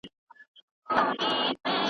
خدایه ستا پر ښکلې مځکه له مقامه ګیله من یم